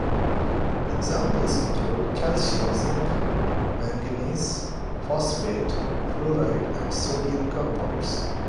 Examples include calcium, zinc, manganese, phosphate, fluoride and sodium compounds.